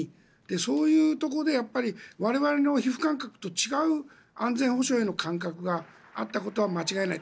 そういうところで我々の皮膚感覚と違う安全保障への感覚があったことは間違いない。